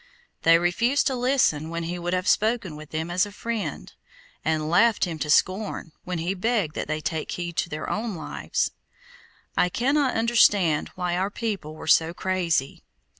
They refused to listen when he would have spoken with them as a friend, and laughed him to scorn when he begged that they take heed to their own lives. I cannot understand why our people were so crazy.